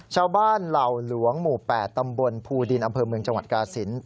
เหล่าหลวงหมู่๘ตำบลภูดินอำเภอเมืองจังหวัดกาศิลป์